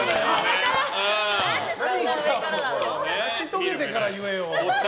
成し遂げてから言えよ！